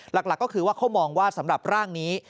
หลักก็คือว่าเขามองว่าสำหรับร่างนี้